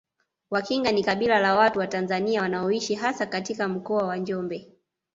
Wakinga ni kabila la watu wa Tanzania wanaoishi hasa katika Mkoa wa Njombe